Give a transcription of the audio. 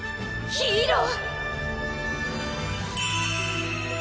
ヒーロー！